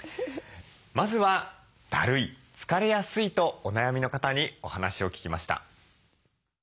まずはだるい疲れやすいとお悩みの方にお話を聞きました。